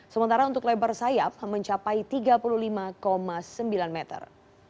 sementara untuk lebar sayap mencapai tiga puluh lima sembilan meter